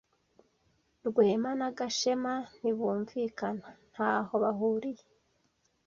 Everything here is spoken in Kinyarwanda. Rwema na Gashema ntibumvikana. Ntaho bahuriye.